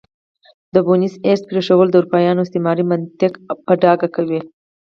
د بونیس ایرس پرېښودل د اروپایانو استعماري منطق په ډاګه کوي.